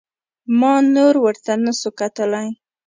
ما نور ورته نسو کتلى.